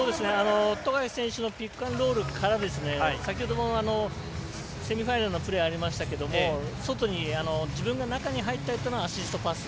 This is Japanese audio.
富樫選手のピックアンドロールから先ほどのセミファイナルのプレーありましたけど外に自分が中に入ってのアシストパス。